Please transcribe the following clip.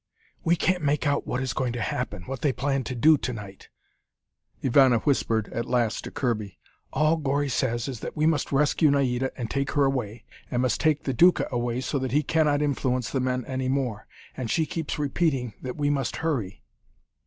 "We can't make out what is going to happen what they plan to do to night," Ivana whispered at last to Kirby. "All Gori says is that we must rescue Naida and take her away, and must take the Duca away so that he cannot influence the men any more. And she keeps repeating that we must hurry."